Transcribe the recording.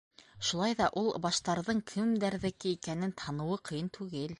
Шулай ҙа ул баштарҙың кемдәрҙеке икәнен таныуы ҡыйын түгел.